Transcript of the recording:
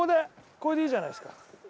これでいいじゃないですか。